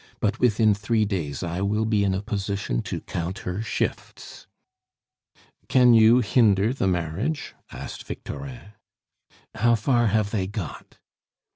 "But within three days I will be in a position to count her shifts." "Can you hinder the marriage?" asked Victorin. "How far have they got?"